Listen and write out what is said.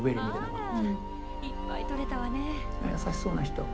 あっ優しそうな人。